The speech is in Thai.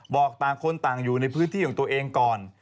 บอกต่างคนต่างอยู่ในพื้นที่ของตัวเองก่อน